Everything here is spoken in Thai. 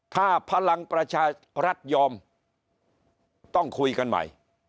ถ้าพลังประชารัฐยอมต้องคุยกันใหม่